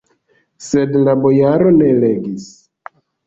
Sed la bojaro ne legis.